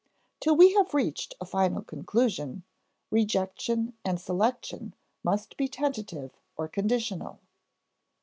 Till we have reached a final conclusion, rejection and selection must be tentative or conditional.